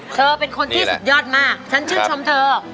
เธอเป็นคนที่สุดยอดมากฉันชื่นชมเธอ